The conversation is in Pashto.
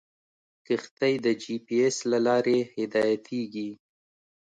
کښتۍ د جي پي ایس له لارې هدایتېږي.